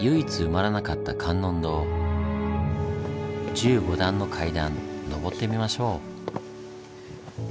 １５段の階段上ってみましょう。